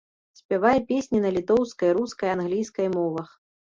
Спявае песні на літоўскай, рускай, англійскай мовах.